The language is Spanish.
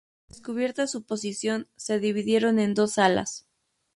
Descubierta su posición, se dividieron en dos alas.